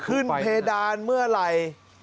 เพดานเมื่อไหร่